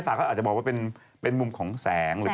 น่าจะเป็นแสงกลางคืน